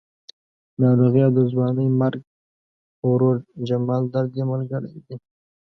ناروغي او د ځوانې مرګ ورور جمال درد یې ملګري دي.